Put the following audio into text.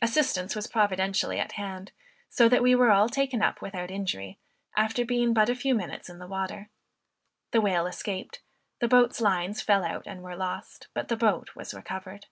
Assistance was providentially at hand, so that we were all taken up without injury, after being but a few minutes in the water. The whale escaped; the boat's lines fell out and were lost, but the boat was recovered.